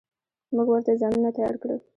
موږ ورته ځانونه تيار کړل.